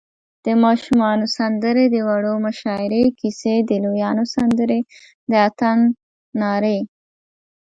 د ماشومانو سندرې، د وړو مشاعرې، کیسی، د لویانو سندرې، د اتڼ نارې